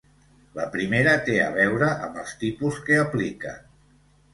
La primera té a veure amb els tipus que apliquen.